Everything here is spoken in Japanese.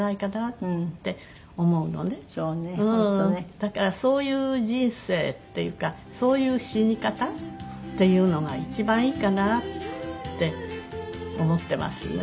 だからそういう人生っていうかそういう死に方っていうのが一番いいかなって思ってますね。